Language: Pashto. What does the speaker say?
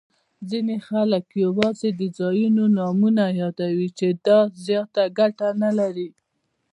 ځیني خلګ یوازي د ځایونو نومونه یادوي، چي دا زیاته ګټه نلري.